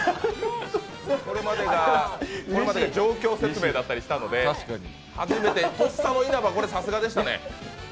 これまでが状況説明だったりしたので、初めて、とっさの稲葉、さすがでしたね。